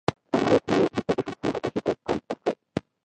له تناره نه یې دود پورته شو، هماغلته سوکړکان پاخه کړه.